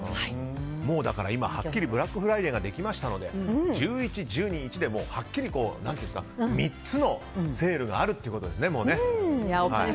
もう今、はっきりブラックフライデーができましたので１１、１２、１ではっきり３つのセールがあるということですね。